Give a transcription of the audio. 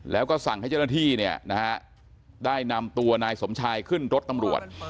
แล้วก็สั่งให้เจ้าหน้าที่ได้นำตัวนายสมชายขึ้นรถตำรวจ